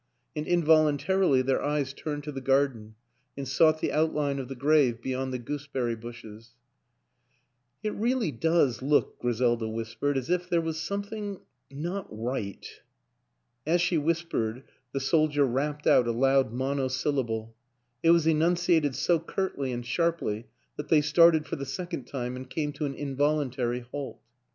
. and involuntarily their eyes turned to the garden, and sought the outline of the grave be yond the gooseberry bushes. " It really does look," Griselda whispered, " as if there was something not right." As she whispered the soldier rapped out a loud monosyllable; it was enunciated so curtly and sharply that they started for the second time and came to an involuntary halt.